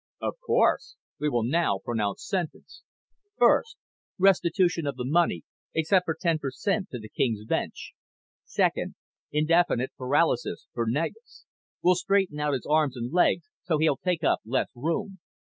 "Of course. We will now pronounce sentence. First, restitution of the money, except for ten per cent to the King's Bench. Second, indefinite paralysis for Negus. We'll straighten out his arms and legs so he'll take up less room.